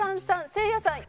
３せいやさん４。